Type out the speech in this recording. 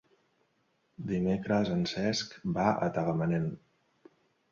Dimecres en Cesc va a Tagamanent.